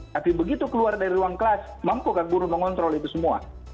tapi begitu keluar dari ruang kelas mampukah buruh mengontrol itu semua